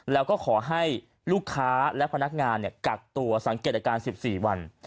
แล้วก็ขอให้ลูกค้าและพนักงานกักตัวสังเกตอาการ๑๔วัน